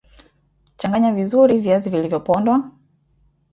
Changanya vizuri viazi vilivyopondwa